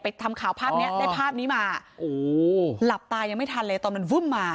ไปทำข่าวภาพได้ภาพนี้มาอู้หลับตายังไม่ทันเลยตอนนั้นมา